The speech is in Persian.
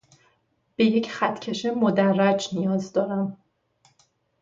به یک خطکش مدرّج نیاز دارم